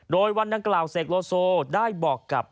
โดยวันดังกล่าวเสกโลโซได้บอกกับ